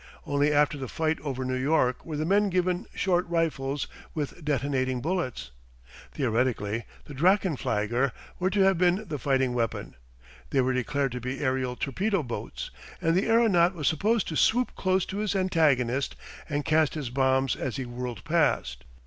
Only after the fight over New York were the men given short rifles with detonating bullets. Theoretically, the drachenflieger were to have been the fighting weapon. They were declared to be aerial torpedo boats, and the aeronaut was supposed to swoop close to his antagonist and cast his bombs as he whirled past.